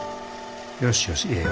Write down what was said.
よしよしええよ。